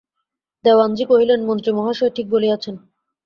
দেওয়ানজি কহিলেন, মন্ত্রীমহাশয় ঠিক বলিয়াছেন।